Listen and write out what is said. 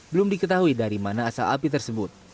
belum diketahui dari mana asal api tersebut